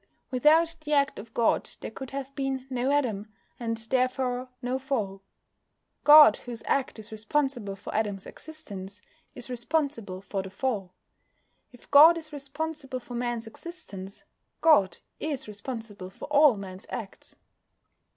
Without the act of God there could have been no Adam, and therefore no Fall. God, whose act is responsible for Adam's existence, is responsible for the Fall. _If God is responsible for man's existence, God is responsible for all Man's acts.